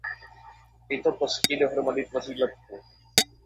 Tyto kosti dohromady tvoří lebku.